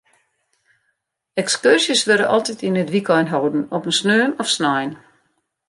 Ekskurzjes wurde altyd yn it wykein holden, op in sneon of snein.